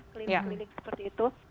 keliling keliling seperti itu